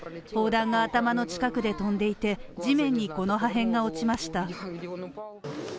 砲弾が頭の近くで飛んでいて、地面にこの破片が落ちました。